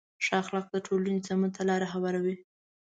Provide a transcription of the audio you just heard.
ښه اخلاق د ټولنې سمون ته لاره هواروي.